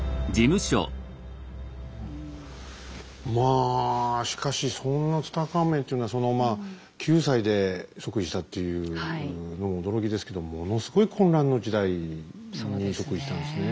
まあしかしそんなツタンカーメンっていうのはそのまあ９歳で即位したっていうのも驚きですけどもものすごい混乱の時代に即位したんですね。